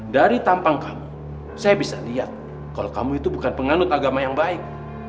dari tampang kamu saya bisa lihat kalau kamu itu bukan penganut agama yang baik